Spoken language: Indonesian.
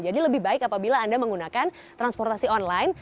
jadi lebih baik apabila anda menggunakan transportasi online